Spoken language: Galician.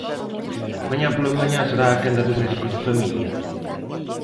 Mañá pola mañá será a quenda dos médicos de familia.